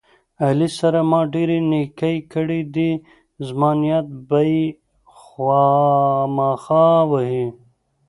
علي سره ما ډېرې نیکۍ کړې دي، زما نیت به یې خواخما وهي.